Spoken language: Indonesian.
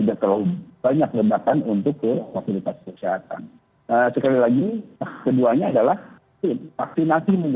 berlebihan untuk ke fasilitas persihatan sekali lagi keduanya adalah vaksinasi mungkin penting